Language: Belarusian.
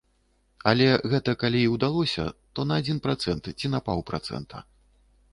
Але гэта калі і ўдалося, то на адзін працэнт ці на паўпрацэнта.